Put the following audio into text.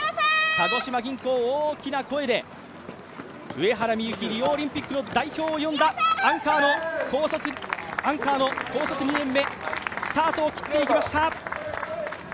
鹿児島銀行、大きな声で上原美幸、リオオリンピックの代表を呼んだ、アンカーの高卒２年目、スタートを切っていきました。